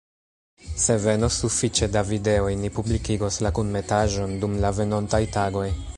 Se venos sufiĉe da videoj, ni publikigos la kunmetaĵon dum la venontaj tagoj.